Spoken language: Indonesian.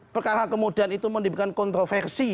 perkara kemudian itu menimbulkan kontroversi